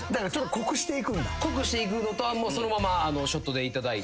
濃くしていくのとそのままショットでいただいて。